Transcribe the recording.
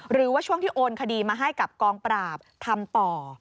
หรือว่าช่วงที่โอนคดีมาให้กับกองปราบทำต่อ